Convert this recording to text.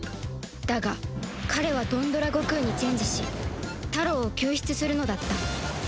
だが彼はドンドラゴクウにチェンジしタロウを救出するのだった